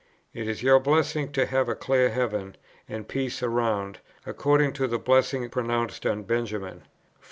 It is your blessing to have a clear heaven, and peace around, according to the blessing pronounced on Benjamin.